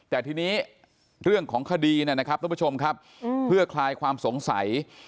แต่ทีนี้เรื่องของคดีเนี่ยนะครับทุกผู้ชมครับเพื่อคลายความสงสัย